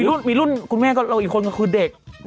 รุ่นมีรุ่นคุณแม่ก็เราอีกคนก็คือเด็ก